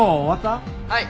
はい。